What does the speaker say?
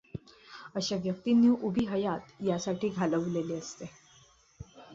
अशा व्यक्तींनी उभी हयात यासाठी घालविलेली असते.